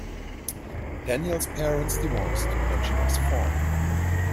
Daniels' parents divorced when she was four.